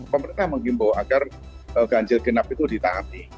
pemerintah menghimbau agar ganjil genap itu ditaati